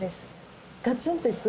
ガツンといく？